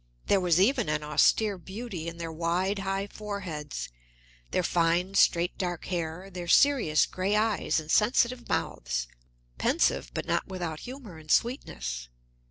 There was even an austere beauty in their wide, high foreheads, their fine, straight dark hair, their serious gray eyes and sensitive mouths, pensive but not without humor and sweetness.